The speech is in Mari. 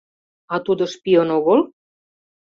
А тудо шпион огыл?